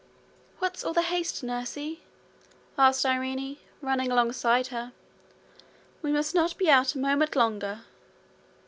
'What's all the haste, nursie?' asked Irene, running alongside of her. 'We must not be out a moment longer.'